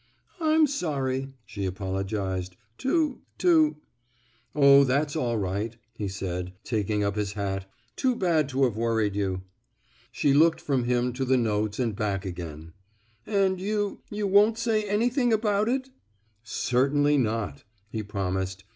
I'm sorry, '* she apologized, '* to — to —Oh, that's all right," he said, taking up his hat. Too bad to have worried you." She looked from him to the notes and back again. And you — you won't say any thing about itf "Certainly not," he promised.